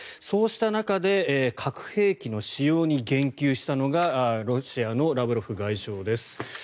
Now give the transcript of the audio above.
そうした中で核兵器の使用に言及したのがロシアのラブロフ外相です。